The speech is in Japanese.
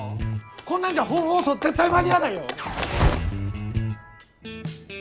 こんなんじゃ本放送絶対間に合わないよ！